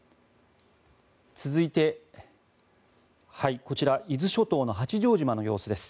続いてこちら伊豆諸島の八丈島の様子です。